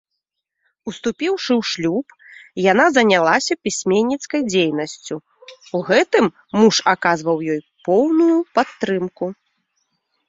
Уступіўшы ў шлюб, яна занялася пісьменніцкай дзейнасцю, у гэтым муж аказваў ёй поўную падтрымку.